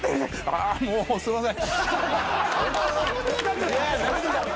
あもうすいません。